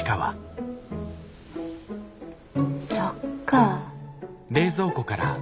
そっか。